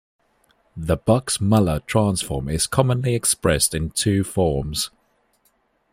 The Box-Muller transform is commonly expressed in two forms.